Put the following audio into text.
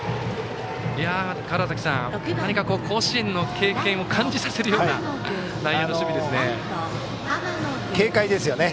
川原崎さん、何か甲子園の経験を感じさせるような内野の守備ですね。